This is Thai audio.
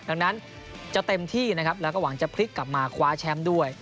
ดังนั้นจะเต็มที่นะครับแล้วก็หวังจะพลิกกลับมาคว้าแชมป์ด้วย